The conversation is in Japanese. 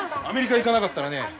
アメリカへ行かなかったらね